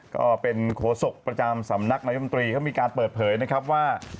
ก็เป็นโฆษกประจำสำนักนายมนตรีเขามีการเปิดเผยนะครับว่า